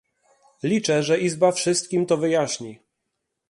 Liczę, że Izba wszystkim to wyjaśni